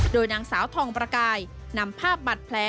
โดยนางสาวทองประกายนำภาพบัตรแผล